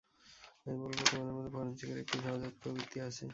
আমি বলবো তোমার মধ্যে ফরেনসিকের একটি সহজাত প্রবৃত্তি আছে।